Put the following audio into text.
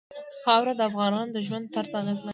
خاوره د افغانانو د ژوند طرز اغېزمنوي.